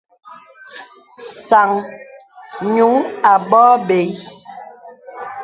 Sàŋ nyùŋ a bɔ̀ɔ̀ bə̀i.